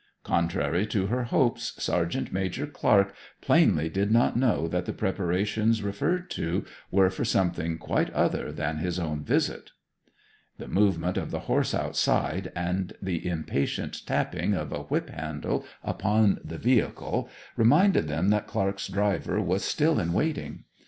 Contrary to her hopes Sergeant Major Clark plainly did not know that the preparations referred to were for something quite other than his own visit. The movement of the horse outside, and the impatient tapping of a whip handle upon the vehicle reminded them that Clark's driver was still in waiting.